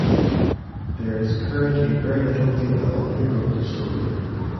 There is currently very little data on who wrote the story.